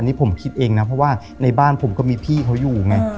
นี่ผมคิดเองนะเพราะว่าในบ้านผมก็มีพี่เขาอยู่ไง